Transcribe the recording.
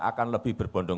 akan lebih berbodong bodong